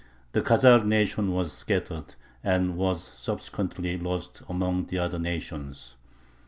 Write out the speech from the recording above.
The Khazar nation was scattered, and was subsequently lost among the other nations.